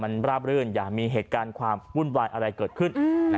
มันราบรื่นอย่ามีเหตุการณ์ความวุ่นวายอะไรเกิดขึ้น